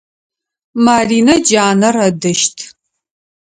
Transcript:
Марина джанэр ыдыщт.